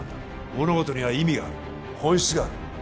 物事には意味がある本質がある